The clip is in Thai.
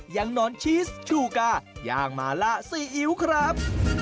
นอนชีสชูกาย่างมาล่าซีอิ๊วครับ